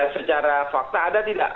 secara fakta ada tidak